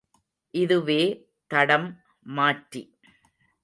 இதுவே தடம் மாற்றி.